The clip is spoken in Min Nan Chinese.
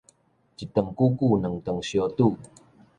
一頓久久，兩頓相拄